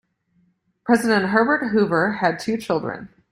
President Herbert Hoover had two children.